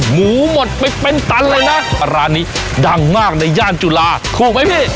หมูหมดไปเป็นตันเลยนะร้านนี้ดังมากในย่านจุฬาถูกไหมพี่